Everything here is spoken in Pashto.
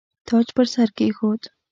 تاج پر سر کښېښود.